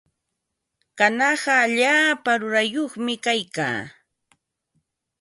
Kanaqa allaapa rurayyuqmi kaykaa.